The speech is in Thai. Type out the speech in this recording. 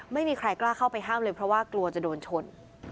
ไม่มีใครกล้าเข้าไปห้ามเลยเพราะว่ากลัวจะโดนชน